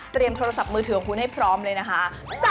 โทรศัพท์มือถือของคุณให้พร้อมเลยนะคะ